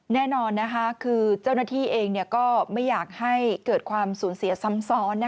แน่นอนคือเจ้าหน้าที่เองก็ไม่อยากให้เกิดความสูญเสียซ้ำซ้อน